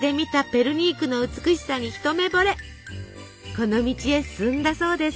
この道へ進んだそうです。